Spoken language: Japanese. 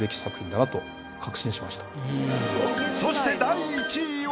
そして第１位は。